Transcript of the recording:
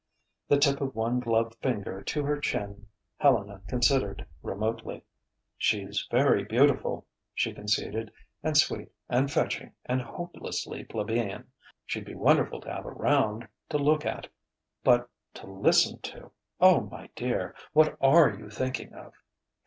The tip of one gloved finger to her chin, Helena considered remotely. "She's very beautiful," she conceded, "and sweet and fetching and hopelessly plebeian. She'd be wonderful to have around, to look at; but to listen to.... Oh my dear! what are you thinking of?"